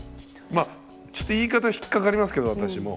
まあちょっと言い方は引っかかりますけど私も。